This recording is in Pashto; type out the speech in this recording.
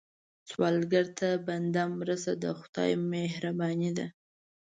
سوالګر ته بنده مرسته، د خدای مهرباني ده